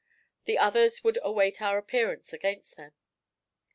The others would await our appearance against them.